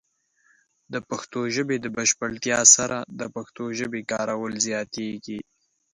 د پښتو ژبې د بشپړتیا سره، د پښتو ژبې کارول زیاتېږي.